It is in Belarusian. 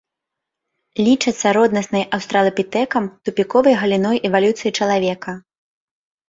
Лічацца роднаснай аўстралапітэкам тупіковай галіной эвалюцыі чалавека.